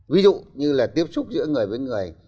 ví dụ như là tiếp xúc giữa người với người